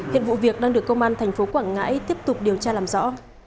hiện vụ việc đang được công an thành phố quảng ngãi tiếp tục điều tra làm rõ